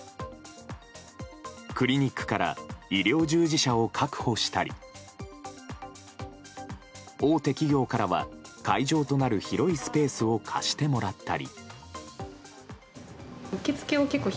クリニックから医療従事者を確保したり大手企業からは、会場となる広いスペースを貸してもらったり。